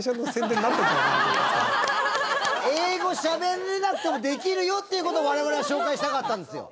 英語しゃべれなくてもできるよっていう事を我々は紹介したかったんですよ。